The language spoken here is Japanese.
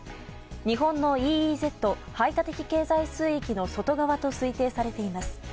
日本のＥＥＺ・排他的経済水域の外側と推定されています。